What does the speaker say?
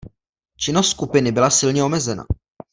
Činnost skupiny byla silně omezena.